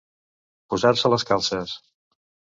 Posar-se les calces.